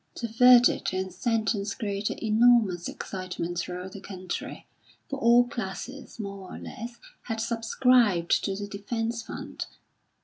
The verdict and sentence created enormous excitement throughout the country, for all classes, more or less, had subscribed to the defence fund.